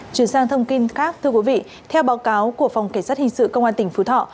chuyển sang thông tin khác theo báo cáo của phòng cảnh sát hình sự công an tỉnh phú thọ